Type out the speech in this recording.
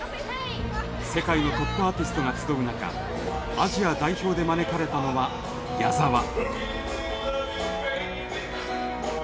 世界のトップアーティストが集う中アジア代表で招かれたのはＹＡＺＡＷＡ。